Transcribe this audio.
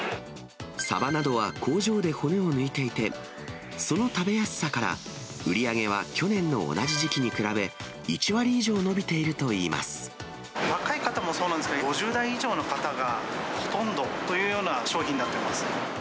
サバなどは工場で骨を抜いていて、その食べやすさから、売り上げは去年の同じ時期に比べ、若い方もそうなんですけど、５０代以上の方がほとんどというような商品になっています。